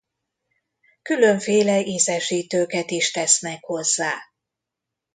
Különféle ízesítőket is tesznek hozzá.